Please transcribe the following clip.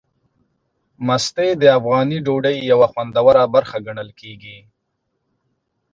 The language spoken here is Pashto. مستې د افغاني ډوډۍ یوه خوندوره برخه ګڼل کېږي.